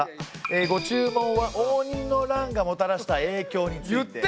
えご注文は応仁の乱がもたらした影響について。